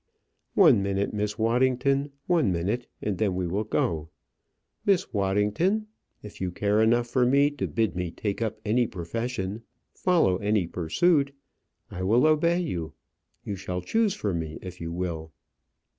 "One minute, Miss Waddington; one minute, and then we will go. Miss Waddington if you care enough for me to bid me take up any profession, follow any pursuit, I will obey you. You shall choose for me, if you will."